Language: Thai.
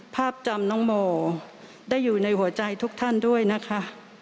ภาพจำน้องโมได้อยู่ในหัวใจทุกท่านด้วยนะคะ